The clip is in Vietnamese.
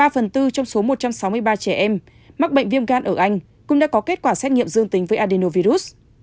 ba phần tư trong số một trăm sáu mươi ba trẻ em mắc bệnh viêm gan ở anh cũng đã có kết quả xét nghiệm dương tính với adenovirus